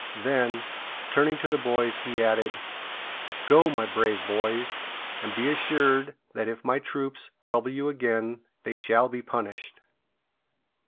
Then, turning to the boys, he added: "Go, my brave boys, and be assured that if my troops trouble you again they shall be punished."